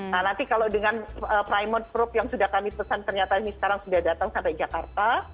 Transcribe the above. nah nanti kalau dengan primor group yang sudah kami pesan ternyata ini sekarang sudah datang sampai jakarta